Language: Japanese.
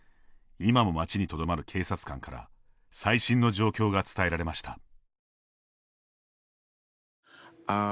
今も街にとどまる警察官から最新の状況が伝えられました。